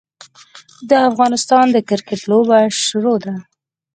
د افغانستان د کرکیټ لوبه شروع ده.